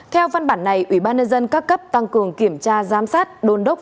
theo văn bản này ủy ban nhân dân các cấp tăng cường kiểm tra giám sát đôn đốc